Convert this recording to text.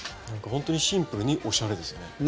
ほんとにシンプルにおしゃれですね。